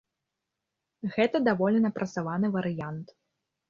Гэта даволі напрацаваны варыянт.